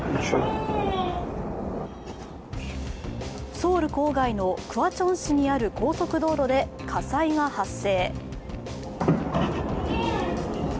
ソウル郊外のクァチョン市にある高速道路で火災が発生。